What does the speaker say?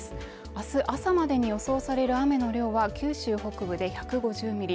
あす朝までに予想される雨の量は九州北部で１５０ミリ